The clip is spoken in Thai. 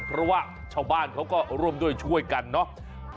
เพราะว่าชาวบ้านเขาก็ร่วมด้วยช่วยกันเนาะ